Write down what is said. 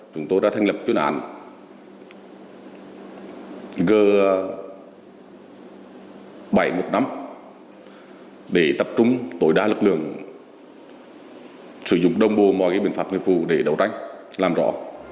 chúng tôi đã thành lập chuyên án g bảy trăm một mươi năm để tập trung tối đa lực lượng sử dụng đồng bộ mọi biện pháp nghiệp vụ để đấu tranh làm rõ